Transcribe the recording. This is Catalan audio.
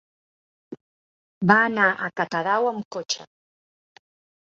Va anar a Catadau amb cotxe.